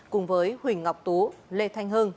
cùng với huỳnh ngọc tú lê thanh hưng